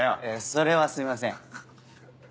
それはすいません。